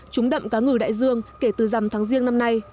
trúng đậm cá ngừ đại dương kể từ dằm tháng riêng năm nay